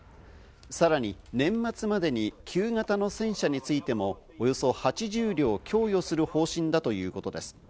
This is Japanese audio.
さらに年末までに旧型の戦車についてもおよそ８０両供与する方針だということです。